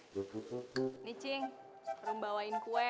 nih cing rum bawain kue